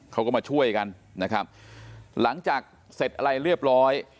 เขาก็มาช่วยกันนะครับหลังจากเสร็จอะไรเรียบร้อย